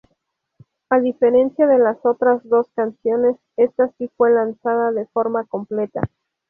A diferencia de las otras dos canciones, esta si fue lanzada de forma completa.